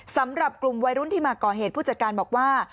สำหรับกลุ่มวัยรุ่นที่มาก่อเหตุผู้จัดการบอกว่า